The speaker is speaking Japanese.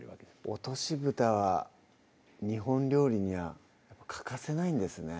落としぶたは日本料理には欠かせないんですね